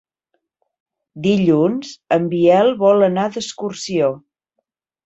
Dilluns en Biel vol anar d'excursió.